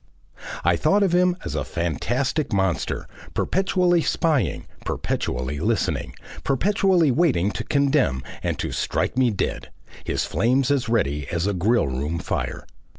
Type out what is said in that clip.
I thought of him as a fantastic monster, perpetually spying, perpetually listening, perpetually waiting to condemn and to "strike me dead"; his flames as ready as a grill room fire.